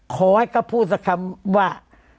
ขอให้เขาพูดสักคำว่า